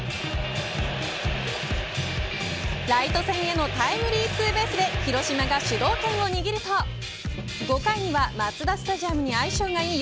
ライト線へのタイムリーツーベースで広島が主導権を握ると５回にはマツダスタジアムに相性がいい